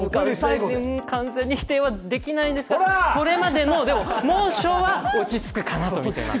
完全に否定はできないんですがこれまでの猛暑は落ち着くかなとみています